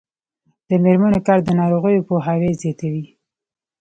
د میرمنو کار د ناروغیو پوهاوی زیاتوي.